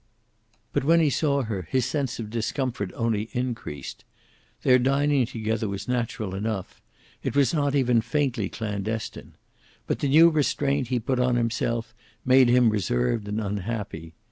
But when he saw her, his sense of discomfort only increased. Their dining together was natural enough. It was not even faintly clandestine. But the new restraint he put on himself made him reserved and unhappy.